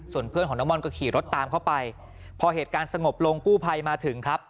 ส่วนเพื่อนของน้องม่อนก็ขี่รถตามเข้าไปพอเหตุการณ์สงบลงกู้ภัยมาถึงครับ